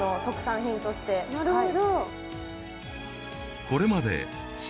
なるほど。